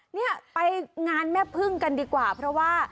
เนี่ยไปงานแม่พึ่งกันดีกว่าเพราะว่า